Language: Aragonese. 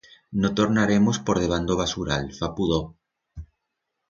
No tornaremos por debant d'o vasural, fa pudor.